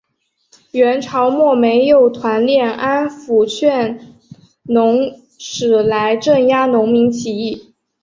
元朝末设有团练安辅劝农使来镇压农民起义。